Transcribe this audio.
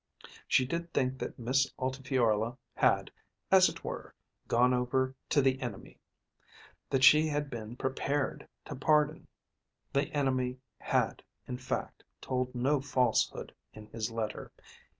She did think that Miss Altifiorla had, as it were, gone over to the enemy. That she had been prepared to pardon. The enemy had in fact told no falsehood in his letter.